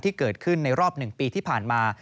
ที่เกิดขึ้นในรอบ๑ปีที่ผ่านมา